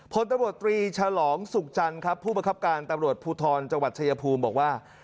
พลตำรวจตรีฉลองสุขจันทร์ครับผู้ประคับการตำรวจภูทรจังหวัดชายภูมิบอกว่า